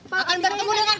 pak entar kemudian